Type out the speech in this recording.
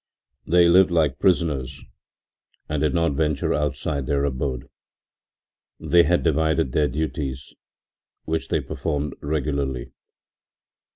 They lived like prisoners and did not venture outside their abode. They had divided their duties, which they performed regularly.